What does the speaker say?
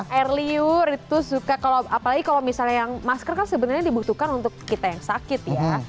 air liur itu suka kalau apalagi kalau misalnya yang masker kan sebenarnya dibutuhkan untuk kita yang sakit ya